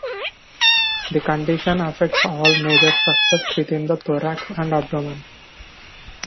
The condition affects all major structures within the thorax and abdomen.